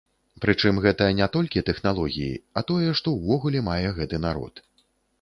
Прычым гэта не толькі тэхналогіі, а тое, што ўвогуле мае гэты народ.